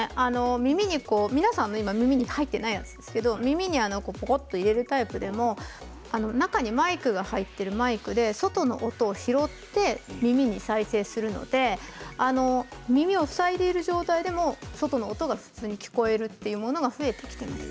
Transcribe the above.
皆さんの今耳に入っていないやつですけど耳にぽこっと入れるタイプでも中にマイクが入っているマイクで外の音を拾って耳に再生するので耳を塞いでいる状態でも外の音が普通に聞こえるというものが増えてきています。